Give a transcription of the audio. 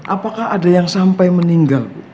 apakah ada yang sampai meninggal